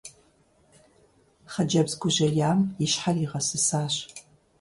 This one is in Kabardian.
Хъыджэбз гужьеям и щхьэр игъэсысащ.